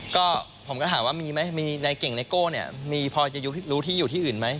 ก็ผมก็ถามว่ามีไหมมีในเก่งไนโก้เนี่ยมีพอจะรู้ที่อยู่ที่อื่นไหม